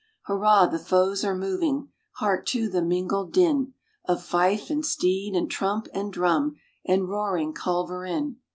Hurrah! the foes are moving. Hark to the mingled din, Of fife, and steed, and trump, and drum, and roaring culverin.